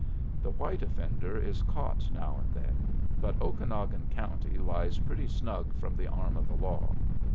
The white offender is caught now and then; but Okanagon County lies pretty snug from the arm of the law.